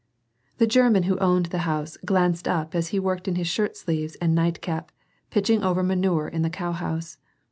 The German who owned the house, glanced up as he worked in his shirt sleeves and nightcap, pitching over manure in the cowhouse.